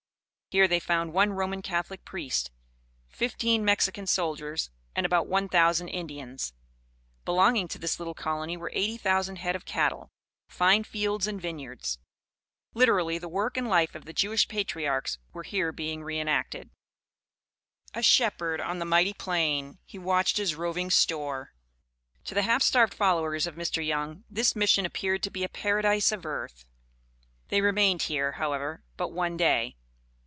Here they found one Roman Catholic priest, fifteen Mexican soldiers, and about one thousand Indians. Belonging to this little colony were eighty thousand head of cattle, fine fields and vineyards. Literally the work and life of the Jewish patriarchs were here being reënacted. "A shepherd on the mighty plain he watched his roving store." To the half starved followers of Mr. Young, this Mission appeared to be a "Paradise of Earth." They remained here, however, but one day.